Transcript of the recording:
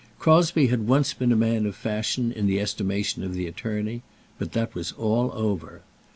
Crosbie had once been a man of fashion in the estimation of the attorney, but that was all over.